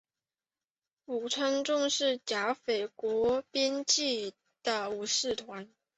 武川众是甲斐国边境的武士团。